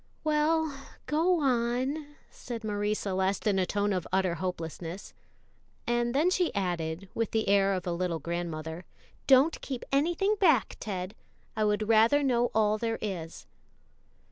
"Well, go on," said Marie Celeste in a tone of utter hopelessness; and then she added, with the air of a little grandmother, "don't keep anything back, Ted; I would rather know all there is."